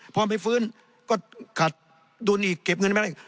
พอไม่ฟื้นก็ขัดดุลอีกเก็บเงินไม่ได้